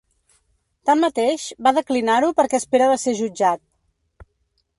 Tanmateix, va declinar-ho perquè espera de ser jutjat.